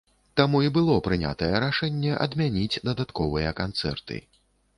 Таму і было прынятае рашэнне адмяніць дадатковыя канцэрты.